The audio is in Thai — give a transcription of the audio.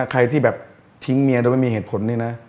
ใครที่แบบทิ้งเมียโดยไม่มีเหตุผลนี่นะ